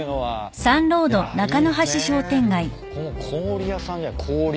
ここも氷屋さんじゃない？